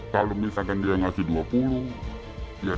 kalau misalkan dia ngasih dua puluh ya tiga puluh empat puluh